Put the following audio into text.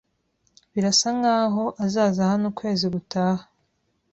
Birasa nkaho azaza hano ukwezi gutaha.